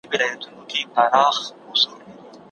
دولتونه د ملي خپلواکۍ د ساتنې لپاره بهرنۍ پالیسي کاروي.